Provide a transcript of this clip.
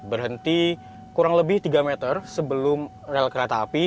berhenti kurang lebih tiga meter sebelum rel kereta api